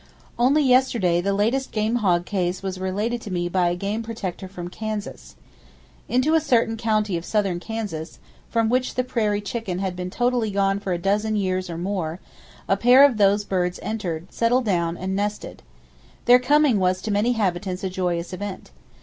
Only yesterday the latest game hog case was related to me by a game protector from Kansas. Into a certain county of southern Kansas, from which the prairie chicken had been totally gone for a dozen years or more, a pair of those birds entered, settled down and nested. Their coming was to many habitants a joyous event.